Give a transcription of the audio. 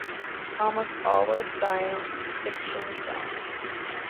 Almost all were science fiction films.